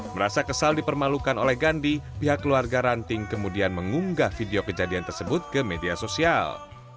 merasa kesal dipermalukan oleh gandhi pihak keluarga ranting kemudian mengunggah video kejadian tersebut ke media sosial